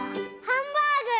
ハンバーグ！